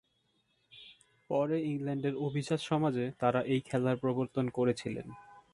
পরে ইংল্যান্ডের অভিজাত সমাজে তারা এই খেলার প্রবর্তন করেছিলেন।